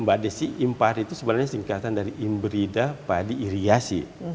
mbak desi impari itu sebenarnya singkatan dari imbrida padi iriasi